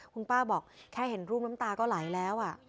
คุณป้าบอกแค่เห็นรูปน้ำตาก็ไหลแล้ว